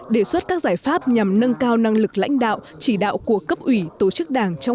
đề xuất các giải pháp nhằm nâng cao năng lực lãnh đạo chỉ đạo của cấp ủy tổ chức đảng trong